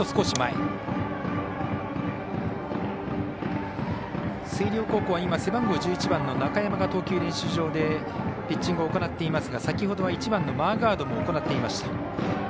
星稜高校は背番号１１番の中山が投球練習場でピッチングを行っていますが先ほどは１番のマーガードも行っていました。